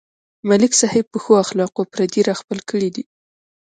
ملک صاحب په ښو اخلاقو پردي راخپل کړي دي.